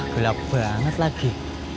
gelap banget lagi